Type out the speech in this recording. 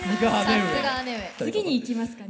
次に行きますかね。